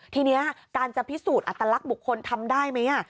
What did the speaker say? ทีนี้การจะพิสูจน์อัตลักษณ์บุคคลทำได้ไหม